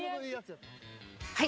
はい。